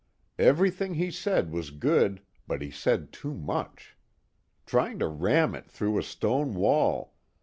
Everything he said was good, but he said too much. Trying to ram it through a stone wall....